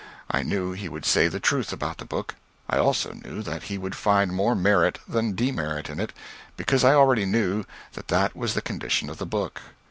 I knew he would say the truth about the book I also knew that he would find more merit than demerit in it, because I already knew that that was the condition of the book.